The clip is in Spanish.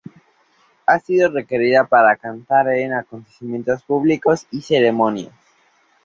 Ha sido requerida para cantar en acontecimientos públicos y ceremonias.